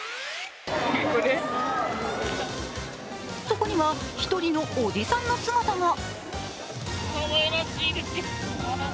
そこには１人のおじさんの姿が。